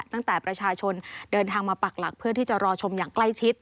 ประชาชนเดินทางมาปักหลักเพื่อที่จะรอชมอย่างใกล้ชิด